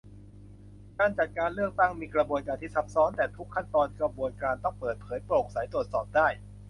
การจัดการเลือกตั้งมีกระบวนการที่ซับซ้อน แต่ทุกขั้นตอนกระบวนการต้องเปิดเผย โปร่งใสตรวจสอบได้